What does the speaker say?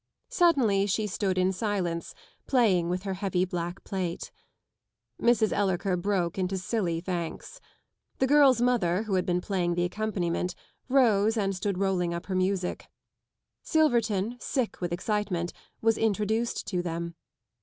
Suddenly she stood in silence, playing with her heavy black plait. Mrs. Ellerker broke into silly thanks. The girl's mother, who had been playing the accompaniment, rose and stood rolling up her music. Silverton, sick with excitement, was introduced to them.